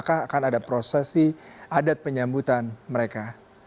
apakah akan ada prosesi adat penyambutan mereka